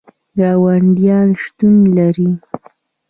ګاونډیان شتون لري